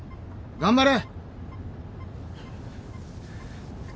頑張れ！